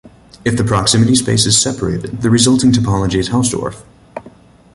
If the proximity space is separated, the resulting topology is Hausdorff.